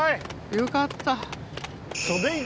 よかった。